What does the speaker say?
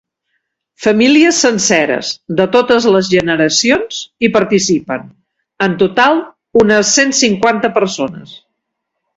Famílies senceres, de totes les generacions, hi participen; en total, unes cent cinquanta persones.